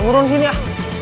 nungguin sini ah